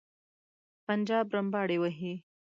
پنجاب رمباړې وهي.